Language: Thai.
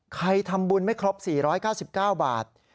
ใครทำบุญไม่ครบ๔๙๙บาท